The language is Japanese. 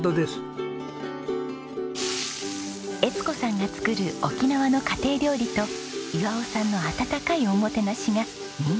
江津子さんが作る沖縄の家庭料理と岩男さんの温かいおもてなしが人気の秘密。